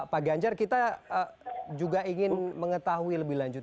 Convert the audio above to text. pak ganjar kita juga ingin mengetahui lebih lanjut